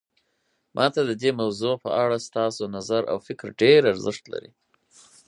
ما ته د دې موضوع په اړه ستاسو نظر او فکر ډیر ارزښت لري